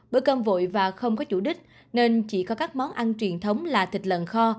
bữa cơm vội và không có chủ đích nên chỉ có các món ăn truyền thống là thịt lợn kho